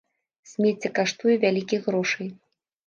Смецце каштуе вялікіх грошай.